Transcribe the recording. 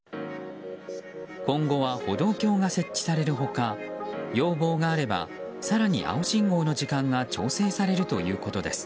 今後は歩道橋が設置される他要望があれば、更に青信号の時間が調整されるということです。